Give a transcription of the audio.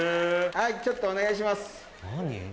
はいちょっとお願いします。